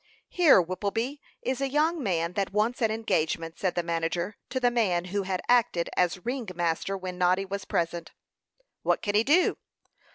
"Here, Whippleby, is a young man that wants an engagement," said the manager to the man who had acted as ring master when Noddy was present. "What can he do?"